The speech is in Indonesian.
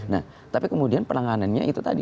nah tapi kemudian penanganannya itu tadi